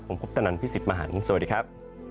ผมพุทธนันทร์พี่สิทธิ์มหันธ์สวัสดีครับ